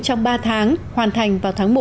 trong ba tháng hoàn thành vào tháng một